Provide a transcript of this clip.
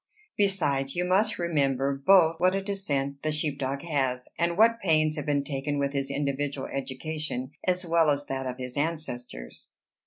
Besides, you must remember, both what a descent the sheep dog has, and what pains have been taken with his individual education, as well as that of his ancestors."